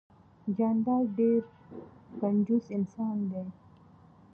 جانداد ډیررر کنجوس انسان ده